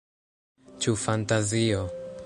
Ĉu fantazio?